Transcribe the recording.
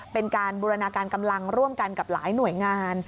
เป็นการบูรณาการกำลังร่วมกันกับหลายหน่วยงาน